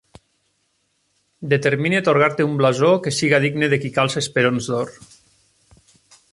Determine atorgar-te un blasó que siga digne de qui calça esperons d'or.